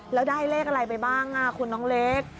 แล้วได้เลขอะไรไปบ้างคุณน้องเล็ก